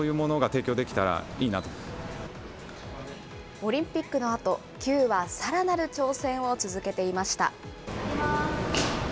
オリンピックのあと、ＣＵＥはさらなる挑戦を続けていました。